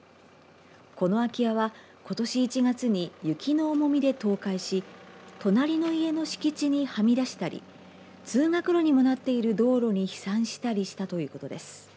この空き家は、ことし１月に雪の重みで倒壊し隣の家の敷地に、はみ出したり通学路にもなっている道路に飛散したりしたということです。